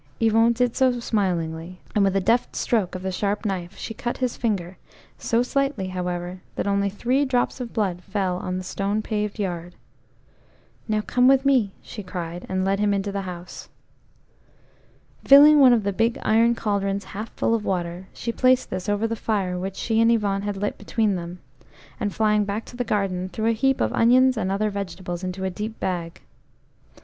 Yvon did so smilingly, and with a deft stroke of the sharp knife she cut his finger, so slightly, however, that only three drops of blood fell on the stone paved yard. "Now come with me," she cried, and led him into the house. Filling one of the big iron cauldrons half full of water, she placed this over the fire which she and Yvon had lit between them, and flying back to the garden, threw a heap of onions and other vegetables into a deep bag.